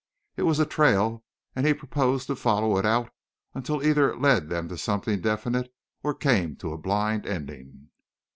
It was a trail and he proposed to follow it out until either it led them to something definite or came to a blind ending.